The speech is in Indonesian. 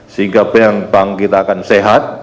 sehingga bank bank kita akan sehat